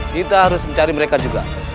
kita harus mencari mereka juga